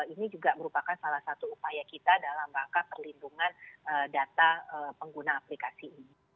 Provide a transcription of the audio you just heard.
ini juga merupakan salah satu upaya kita dalam rangka perlindungan data pengguna aplikasi ini